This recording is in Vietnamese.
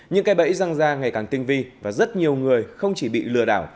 những cây bẫy răng ra ngày càng tinh vi và rất nhiều người không chỉ bị lừa đảo